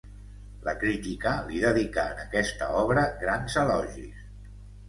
La crítica li dedicà en aquesta obra grans elogis.